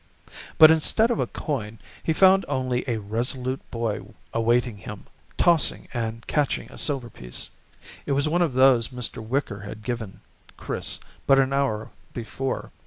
But instead of a coin, he found only a resolute boy awaiting him, tossing and catching a silver piece. It was one of those Mr. Wicker had given Chris but an hour before.